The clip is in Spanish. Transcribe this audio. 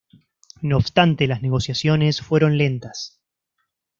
No obstante, las negociaciones fueron lentas.